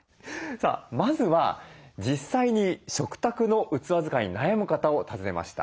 さあまずは実際に食卓の器使いに悩む方を訪ねました。